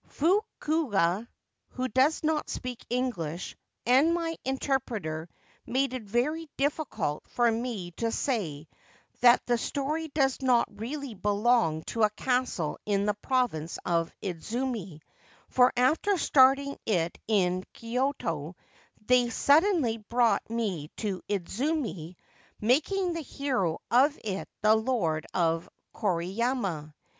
Fukuga (who does not speak English) and my interpreter made it very difficult for me to say that the story does not really belong to a castle in the province of Idzumi, for after starting it in Kyoto they suddenly brought me to Idzumi, making the hero of it the Lord of Koriyama.